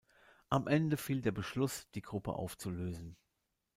Am Ende fiel der Beschluss, die Gruppe aufzulösen.